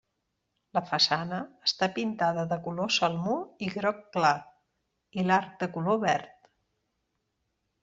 La façana està pintada de color salmó i groc clar, i l'arc de color verd.